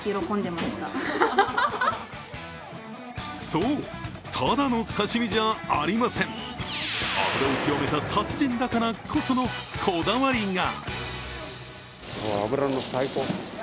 そう、ただの刺身じゃありません脂を極めた達人だからこそのこだわりが。